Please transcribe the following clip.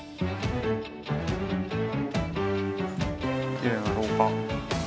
きれいな廊下。